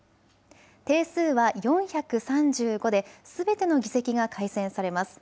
定数は４３５ですべての議席が改選されます。